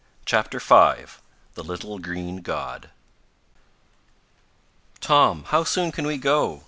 CHAPTER V THE LITTLE GREEN GOD "Tom how soon can we go?"